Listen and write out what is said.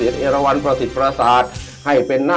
ช่างสามเซียน